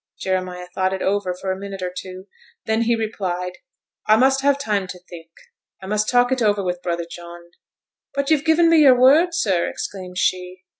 Jeremiah thought it over for a minute or two. Then he replied, 'I must have time to think. I must talk it over with brother John.' 'But you've given me yo'r word, sir!' exclaimed she.